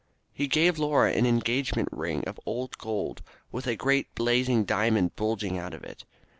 Haw gave Laura an engagement ring of old gold, with a great blazing diamond bulging out of it.